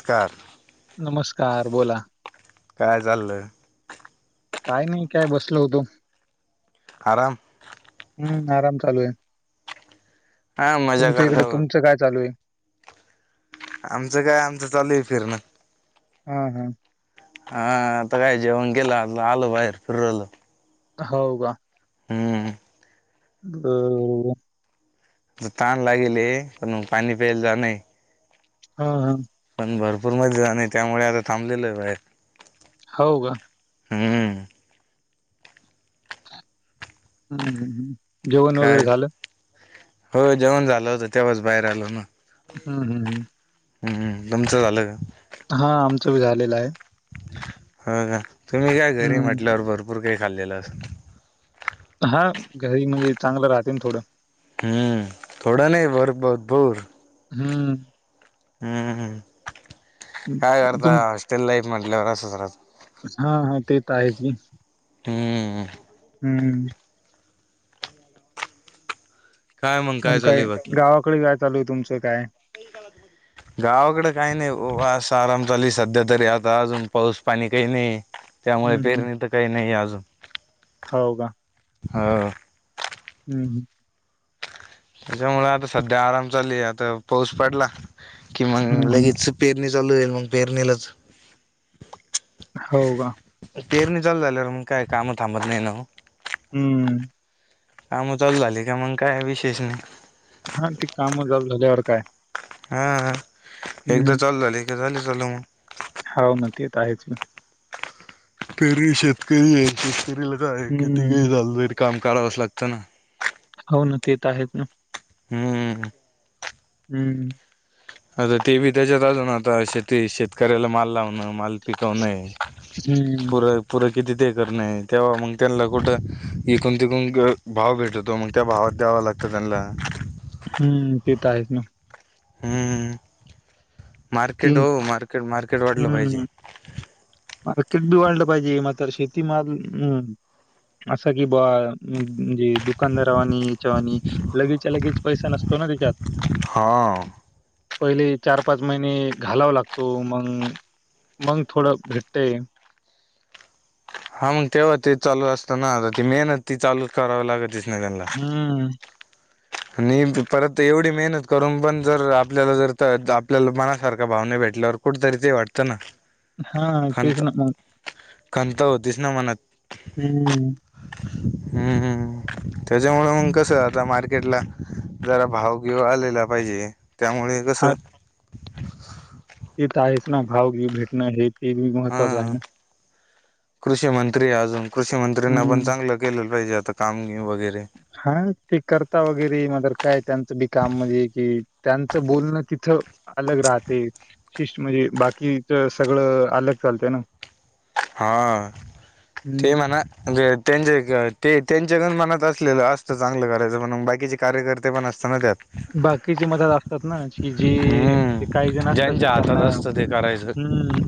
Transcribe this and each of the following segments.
नमस्कार नमस्कार, बोला. काय चाललं? काय नाही, काय बसल होतो. आराम. हम्म, आराम चालू आहे. हा मजा तुमच्या इकडे करता बघ तुमचं काय चालू आहे? आमचं काय, आमचं चालू फिरणं. हं. हं. हा आता काय जेवण केलं, आता आलो बाहेर फिरू राहिलो. हो बा. हम्म [unintelligible] तहान लागेल ये, पण मग पाणी प्यायला जान. हा. हा. भरपूर मध्ये जाण, त्यामुळे आता थांबलेलो आहे बाहेर. हो का? हम्म हम्म. जेवण काय वगैरे झालं? हो जेवण झालं होत, तेव्हाच बाहेर आलो ना. हम हम हम. हम्म तुमचं झालं का? हा आमचं भी झालेलं आहे. हो का? तुम्ही काय घरी हं. म्हटल्यावर भर मुर्गी खाल्लेलं. [unintelligible] हा घरी म्हणजे चांगलं राहते ना थोडं. हम्म थोड नाही भर भरपुर. ह्म्म. हम्म. काय करता तुम हॉस्टेल लाईफ म्हटल्यावर असंच राहतं. हा हा ते त आहेच. हम. हम्म. काय मग काय चालूय बाकी गावाकडे जायं चालू तुमचं काय गावाकडे काही नाही वास आराम चाली सध्या तरी आता अजून पाऊस पाणी काही नाही ये त्यामुळे हं, हं. पेरणी तर काही नाही अजून हो का. ह. हम्म. त्याच्यामुळ आता सध्या आराम चालली आता पाऊस पडला कि मग हं, हं. लगेच पेरणी चालू येईल मग पेरणीलाच हो का. पेरणी चालू झाल्यावर मग काय काम थांबत नाही ना मग हम्म. काम चालू झाली का मग काय विशेष नाही हा ती काम झाल्यावर काय हा. एकदा चालू झाली झाली चालू मग हा तेेत आहेच ना तरी शेतकरी हे किती ही हं. झाल तरी काम करावंचं लागतं ना हो ना ते तर आहेत ना हम्म. हम्म. आता ते बी त्याच्यात अजून आता शेती शेतकऱ्याला माल लावण माल पिकवणे हं, पुर पुरे किती ते करणे तेव्हा मग त्यांना कुठं इकून तिकून भाव भेटतो मग त्या भावात द्यावं लागतं त्यांनला हम्म तेेत आहेच ना. हम्म. ती मार्केट हो मार्केट मार्केट वाटलं पाहिजे हं. मार्केट बी वाढलं पाहिजे मात्र शेतीमाल असा कि बा म्हणजे दुकानदारावानी याच्यावाणी लगेचच्या लगेच पैसा नसतो ना त्याच्यात हा. पहिली चार पाच महिने घालाव लागतो मग मंग थोडं भेटते हा मग तेव्हा ते चालू असताना आता ती मेहनत ती चालूच करावी लागते हम्म. आणि परत एवढी मेहनत करून पण जर आपल्याला जर आपल्याला मनासारखा भावना भेटल्यावर कुठतरी ते वाटतं ना हा तेच खंत ना मग. खंत होतीच ना मनात. हमम. हमम मम. त्याच्यामुळे कसं आता बारीक घेतलाला जरा भाव बिव आलेला पाहिजे. त्यामुळे कसं [inaudible] तेेत आहेच ना भाव बिव भेटणं आहे. ते भी महत्वाच आहे हा ना. कृषी मंत्री अजून कृषी मंत्रीना पण चांगलं केलंल पाहिजे. त काम वगैरे हा ते करता वगैरे म काय त्यांचं बी काम म्हणजे कि त्यांचं बोलणं तिथं अलग राहते. शिष्ट म्हणजे बाकीच सगळं अलग चालतं ना. हा ते हं. म्हणा त्यांचे ते त्यांच्याकड म्हणत. केल असतं चांगलं करायचं पण म बाकीचे कार्यकर्ते पण असतना त्यात. बाकीचे मतात असतात ना कि जे काही जण हम्म असतात की ज्यांच्या हातात त्यांना असतं ते करायचं हमम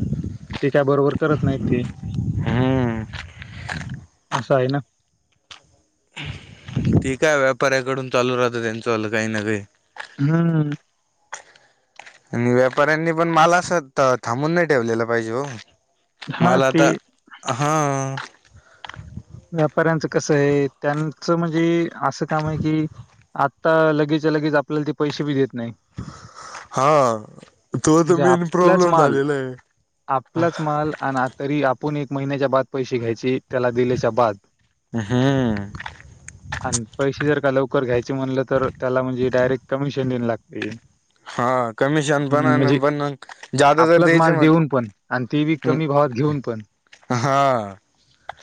त्याच्या बरोबर करत नाही. ते हम्म अशा आहे ना. ते काय व्यापाऱ्याकडून चालू राहतं त्यांच्या वालं काही ना काही. हमम. आणि व्यापाऱ्यांनी पण माल स्वतः थांबून नाही ठेवलेलं पाहिजे हो. हां, माल ते आता हा. व्यापाऱ्यांचं कसं आहे त्यांचं म्हणजे असं काम आहे की आत. आता लगेचच्या लगेच आपल्याला ते पैसे बी देत नाही. हा तो तर म्हणजे मेन आपलाच प्रॉब्लेम माल झालेला आहे. पुर्ण एक महिन्याचे बाद पैसे घ्यायचे त्याला तर बाद हम्म आणि पैसे जर का लवकर घ्यायचे म्हणले तर त्याला म्हणजे डायरेक्ट कमीशन तीन दिन लागते. हा कमिशन हम्म म्हणजे पण पण जादा तर आपलाच द्यायच माल म्हटल देऊन पण आणि ते बी अ कमी भावात घेऊन पण. अ हा.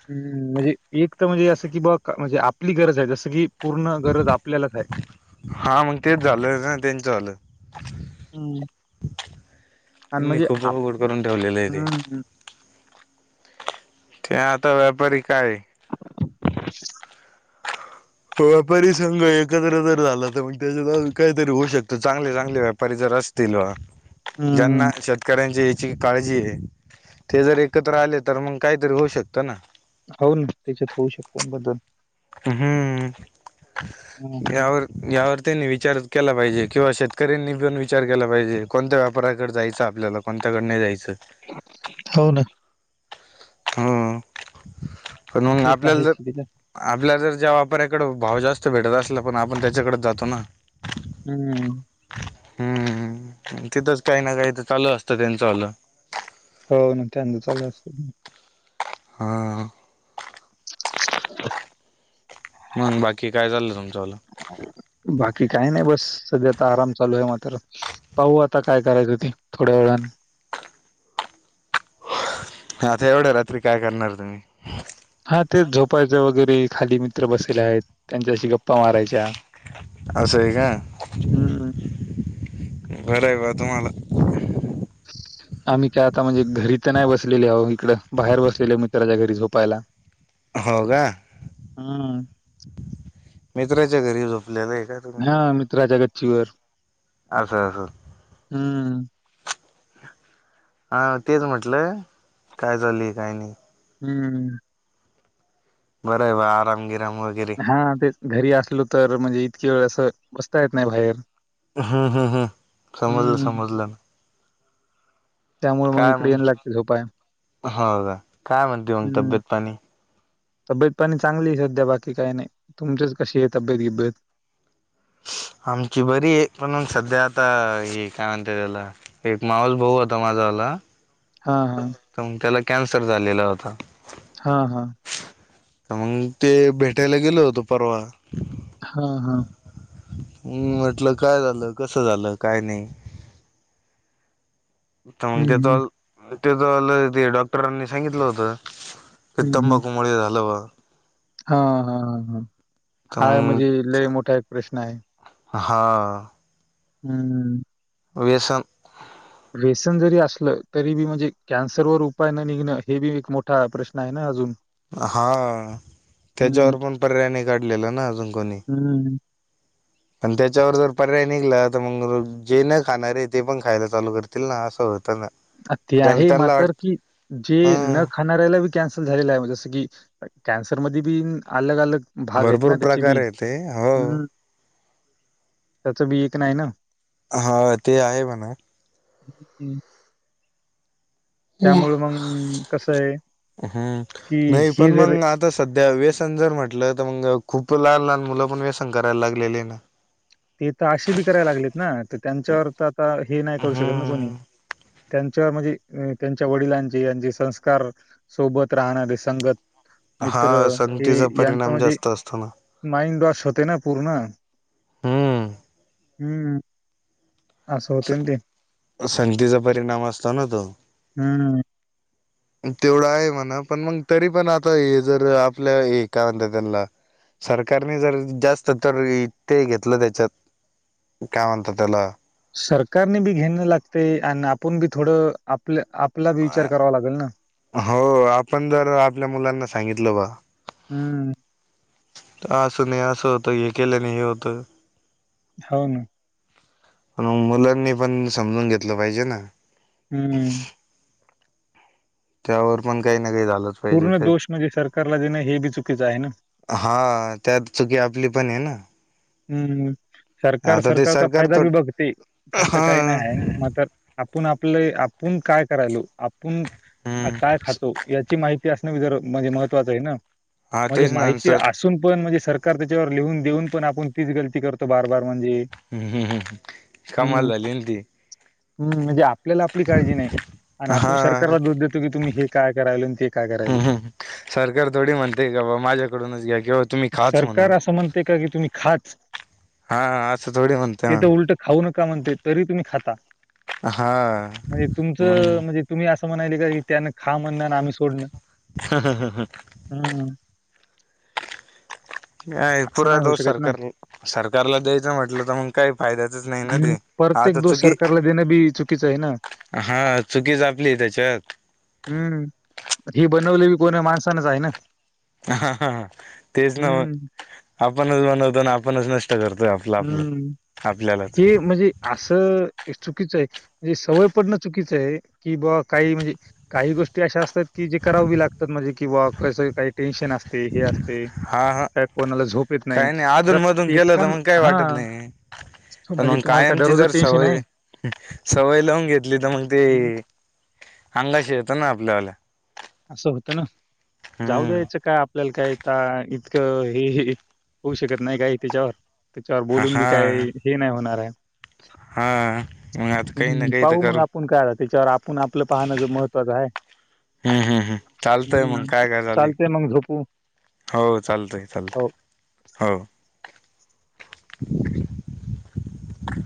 हम्म म्हणजे एक तर म्हणजे असं की बघ म्हणजे, आपली गरज आहे जसं की. पूर्ण गरज आपल्यालाच आहे. हा मग तेच झालं न तेचं झालं. हम् [unintelligible] त्यांनी खूप घोळ करून ठेवलेले आहे ते. हम्म ते आता व्यापारी काय? [inaudible] व्यापारी संघ एकत्र जर झाला तर मग, त्याच्या काहीतरी होऊ शकत, चांगले चांगले व्यापारी जर असतील वा. ज्यांना हम्म शेतकऱ्यांची. ची काळजी घे, ते जर एकत्र आले तर मग काहीतरी होऊ शकत ना. हो ना. त्याच्यात होऊ शकतो बदल. अहं हम्म हम्म. हम्म. यावर यावर. त्यांनी विचारचं केला पाहिजे, किंवा शेतकऱ्यांनी पण विचार केला पाहिजे, कोणत्या व्यापऱाकडे जायचा आपल्याला कोणत्याकडे नाही जायचं. हो ना. हम्म. म्हणून ते तर आपल्याल आहेच त्याच्यात. आपल्याला जर आपल्या जेव्हा ऱ्याकडे भाव जास्त भेटत असल, पण आपण त्याच्याकडेच जातो ना. हम्म. हम्म. तिथंच काही ना काही तर चालू असतं त्यांचं आलं. हो न त्यांचा लय असतो. हा. [inaudible] मग बाकी काय चाललं तुमचंवालं बाकी काही नाही बस. सध्या आता आराम चालू आहे. मात्र पाहू आता काय करायचं हो ते थोड्या वेळा आता एवढ्या रात्री काय करणार तुम्ही? हा तेच झोपायचं वगैरे. ते खाली मित्र बसले आहेत. त्यांच्याशी गप्पा मारायच्या असय का? हम्म बरं आहे बा तुम्हाला. आम्ही काय आता म्हणजे घरी तर नाही बसलेले आहो. इकडं बाहेर बसलेले मित्राच्या घरी झोपायला. हो हम्म कामित्राच्या घरी झोपले होय का तुम्ही? शुअर. असो असो. हम्म. हा तेच म्हटलं काय झाली काय नाही. हम्म. बर आहे बा आराम काम वगैरे. हा तेच घरी असलो तर म्हणजे इतकी वेळ असं बसता येत नाही बाहेर. हम्म हम्म हम्म. समजलं हम्म समजलं. त्यामुळे मग काय इकडे मंग, येणं लागते झोपाय हो का काय म्हणते मंग हम्म तब्येत पाणी. तब्येत पाणी चांगली हाय सध्या बाकी काय नाही. तुमचीच कशी आहे तब्येत गिब्येत? आमची बरी आहे पणून सध्या आता हे काय म्हणते त्याला एक माहोल बऊ होता माझाला हा हा. कॅन्सर झालेला होता. हा हा. तर मग ते भेटायला गेल होतं परवा. हा हा. हम् म्हटलं काय झालं कसं झालं काय नाही? त म्हन हं, का त हं. ते आलं ते डॉक्टरांनी सांगितलं होतं. की तंबाखू मुळे झालं बा हा हा हा हा तर हाय मग म्हणजे ल मोठा एक प्रश्न आहे. हा. हम्म. व्यसन. व्यसन जरी असलं तरी बी म्हणजे कॅन्सरवरर उपाय न निघणं हे बी एक मोठा प्रश्न आहे ना अजून हा हं, त्याच्यावर पण पर्यायने काढलेला ना अजून कोणी हं. पण त्याच्यावर जर पर्याय निघला तर मग जे न खाणार आहे ते पण खायला चालू करतील ना असं होत. ते आहे मात्र कि जे ह न खाणाऱ्याला कॅन्सल झालेला आहे जस क कॅन्सर मध्ये ब अलग अलग भरपूर प्रकार आहे ते हो. त्याच बी एक नाही ना. हा ते आहे म्हणा. ह हम. त्यामुळे मग कस आहे हम्म की नाही हेि पण जर मग आता सध्या व्यसन जर म्हटलं तर मग खूप लहान लहान मुलं पण व्यसन करायला लागलेले ना. ते तर असे बी करायला लागलेत ना तर त्यांच्यावर तर आता हे नाही करू शकत ना कोणी हम्म त्यांच्या म्हणजे त्यांच्या वडिलांची यांचे संस्कार सोबत राहणारे संगत. मित्र हा हे संगतीचा यांच परिणाम म्हणजे जास्त असतो ना माइंड वॉश होते ना पूर्ण. हम्म हम्म. संधीचा परिणाम असतो ना तो हं, तेवढं आहे म्हणा पण मग तरी पण आता हे जर आपल्या हे काय म्हणत त्याला सरकारने जर जास्त तर ते घेतलं त्याच्यात काय म्हणत त्याला सरकारने बी घेयणं लागते आणि आपण बी थोडं आपलं. आपला बी विचार करावा लागेल ना. हो आपण जर आपल्या मुलांना सांगितलं बा हम्म. असं नाही असं होतं हे केलं नाही हे होत. हो ना. म्हण मुलांनी पण समजून घेतलं पाहिजे ना. हम्म त्यावर पण काही झालं पाहिजे पूर्ण दोष म्हणजे सरकारला देणं हे बी चुकीचं आहे ना. हा त्यात चुकी आपली पण आहे ना हम्मम सरकार आता ते सरकारचा सरकार फायदा तो बी बघते त्याच हा काही नाही आहे म तर आपण आपले आपण काय करायलो पण हम्म काय खातो याची माहिती माहिती असणं जर ममहत्वाचं आहे ना हा म्हणजे तेच ना माहिती सर असून पण म्हणजे सरकार त्याच्यावर लिहून देऊन पण आपण तीच गलती करतो बार बार म्हणजे हम्म हम्म कमाल झाली ना ती. आपल्या आपली काळजी नाही आपण हा. सरकारला दोष देतो क तुम काय करायला ते काय करायल हम ह सरकार थोडी म्हणते का बा माझ्याकडूनच घ्या किंवा तुम्ही खाच सरकार म्हणून असं म्हणते का की तुम्ही ते हा असं थोडी म्हणतय तर मग. उलट खाऊ नका म्हणते तरी तुम्ही ख हा. म्हणजे तुमचं मग म्हणजे तुम्ही अस अस म्हणा का की त्यान खा म्हणं आम्ही सोडणं हा हा हा ह हम्म. का असं पुरा नाही होऊ दोष शकत ना. सरकार सरकारला द्यायचं म्हटलं तर मग काही फायद्याचच नाही ना हम्म. ते प्रत्येक आता दोष चुकी सरकारला देणं बी चुकीचं आहे ना. हा चुकी जपली त्याच्यात हम्म. हे बनवले कोणी माणसानच आहे ना हा हा ह तेच ना हम्म, आपणच बनवतो आणि आपणच नष्ट करतोय आपलं आपलं हम्म आपल्यालाच. हे म्हणजे असं चुकीचं आहे म्हणजे सवय पडणं चुकीचं आहे की बा काही म्हणजे काही गोष्टी अशा असतात की जे करावी लागतात म्हणजे कि बा कसं काही टेन्शन असत हे असते हा हा का कोणाला झोप येत नाही ते का वाटत हां. नाही पण म्हणजे मग तुम्हाला काय कायमची दररोजच जर टेन्शन आहे? सवय सवय लावून घेतली तर मग हं. त अंगाशी येत ना आपल्याला असं होतं ना जाऊ हम्म द्यायचं का आपल्याला कायता इकं हे होऊ शकत नाही काय त्याच्यावर त्याच्यावर हा बोलून बी काही हे नाही होणार आहे हा मग आता काही ना हम् काही तर पाहू मग करू आपण काय त्याच्यावर आपण आपलं पाहणं ज महत्त्वाचं आहे हम्म, हम्म, हम् चालतय मंग हं. काय काय झाली? चालतंय मग झोपू. हो चालतय हो. चालतय हो.